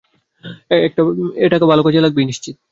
এ টাকা ভাল কাজেই লাগবে নিশ্চিত।